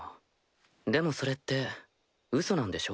でもそれってうそなんでしょ？